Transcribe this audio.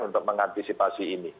untuk mengantisipasi ini